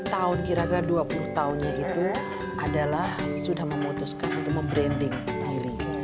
sepuluh tahun kira kira dua puluh tahunnya itu adalah sudah memutuskan untuk membranding diri